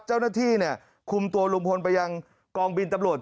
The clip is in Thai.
เจ้าหน้าที่คุมตัวลุงพลไปยังกองบินตำรวจ